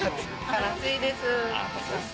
暑いです。